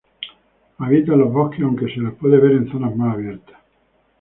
Habita en los bosques aunque se la puede ver en zonas más abiertas.